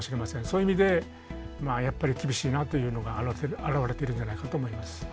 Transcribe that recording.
そういう意味でやっぱり厳しいなというのが表れてるんじゃないかと思います。